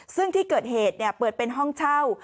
ซึ่งที่เกิดเหตุเปิดเป็นห้องเช่า